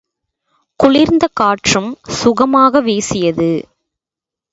குளிர்ந்த காற்றும் சுகமாக வீசியது.